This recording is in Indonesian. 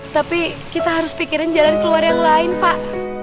tapi kita harus pikirin jalan keluar yang lain pak